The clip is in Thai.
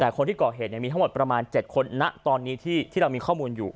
แต่คนที่เกาะเหตุเนี่ยมีทั้งหมดประมาณเจ็ดคนนะตอนนี้ที่ที่เรามีข้อมูลอยู่